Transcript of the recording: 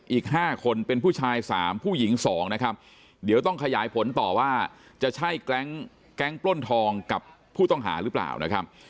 อีก๕คนเป็นผู้ชาย๓ผู้หญิง๒นะครับเดี๋ยวต้องขยายผลต่อว่าจะใช่แก๊งปล้นทองกับผู้ต้องหาหรือเปล่านะครับ